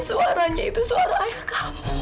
suaranya itu suara ayah kamu